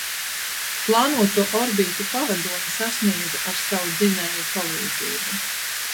Plānoto orbītu pavadoņi sasniedza ar savu dzinēju palīdzību.